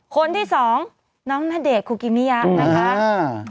คนที่๒นำณเดชน์คูกิมิย้ำครับ